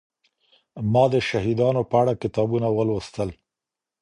ما د شهيدانو په اړه کتابونه ولوستل.